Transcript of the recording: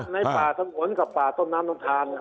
ในป่าสงวนกับป่าต้นน้ำนมทาน